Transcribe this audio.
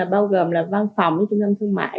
bao gồm là văn phòng trung tâm thương mại